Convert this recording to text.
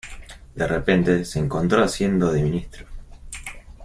De repente se encontró haciendo de ministro.